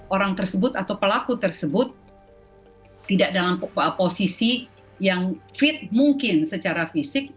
orang tersebut atau pelaku tersebut tidak dalam posisi yang fit mungkin secara fisik